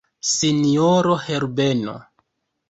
Sinjoro Herbeno!